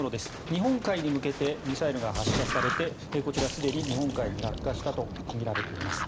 日本海に向けてミサイルが発射されてすでに日本海に落下したとみられています。